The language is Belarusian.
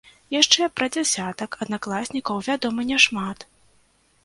Яшчэ пра дзясятак аднакласнікаў вядома няшмат.